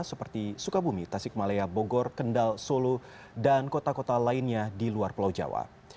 seperti sukabumi tasik malaya bogor kendal solo dan kota kota lainnya di luar pulau jawa